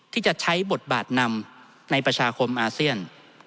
ที่จะใช้บทบาทนำในประชาคมอาเซียน